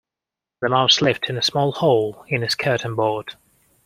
The mouse lived in a small hole in the skirting board